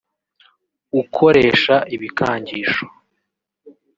Ukoresha ibikangisho